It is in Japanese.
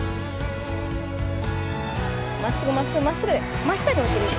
まっすぐまっすぐまっすぐ！